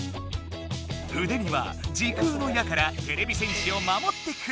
うでには時空の矢からてれび戦士を守ってくれる盾が！